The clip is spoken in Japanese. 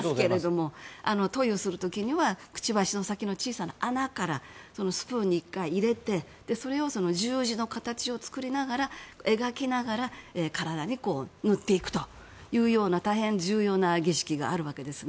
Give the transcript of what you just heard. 塗油する時はくちばしの先の小さな穴からスプーンに１回入れてそれを十字の形を描きながら体に塗っていくというような大変重要な儀式があるわけです。